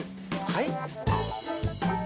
はい？